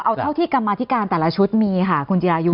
เอาเท่าที่กรรมาธิการแต่ละชุดมีค่ะคุณจิรายุ